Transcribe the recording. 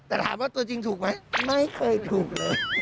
แต่ถามว่าตัวจริงถูกไหมไม่เคยถูกเลย